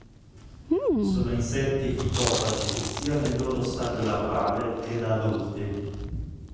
Sono insetti fitofagi sia nel loro stadio larvale che da adulti.